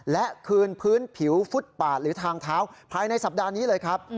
และคืนพื้นผิวฟุตปาดหรือทางเท้าภายในสัปดาห์นี้เลยครับ